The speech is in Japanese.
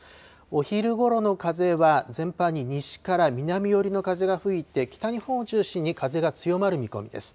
お昼ごろの風は全般に西から南寄りの風が吹いて、北日本を中心に風が強まる見込みです。